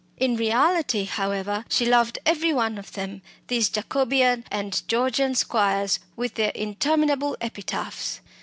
In reality, however, she loved every one of them these Jacobean and Georgian squires with their interminable epitaphs.